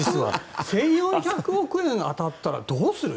１４００億円当たったらどうする？